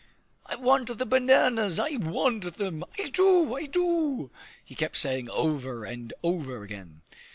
"I want the bananas; I want them; I do, I do!" he kept saying over and over again.